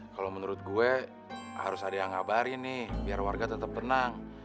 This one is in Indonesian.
kalau menurut gue harus ada yang ngabarin nih biar warga tetap tenang